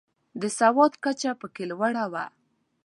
د سواد کچه پکې لوړه وه.